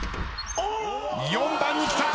４番に来た！